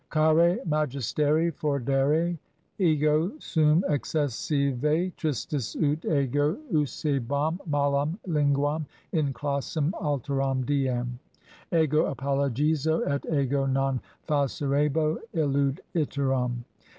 "Care Magistere Fordere, Ego sum excessive tristis ut ego usebam malam linguam in classem alteram diem. Ego apologizo, et ego non facerebo illud iterum.